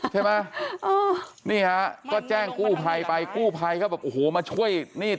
ใช่ไหมนี่ฮะก็แจ้งกู้ภัยไปกู้ภัยก็แบบโอ้โหมาช่วยนี่